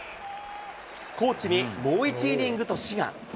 コーチにもう１イニングと、志願。